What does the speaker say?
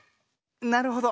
なるほど。